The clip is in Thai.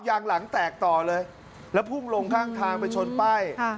ยางหลังแตกต่อเลยแล้วพุ่งลงข้างทางไปชนป้าย